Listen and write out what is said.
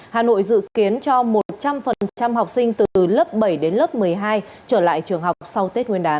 hà nội dự kiến cho một trăm linh học sinh từ lớp bảy đến lớp một mươi hai trở lại trường học sau tết nguyên đán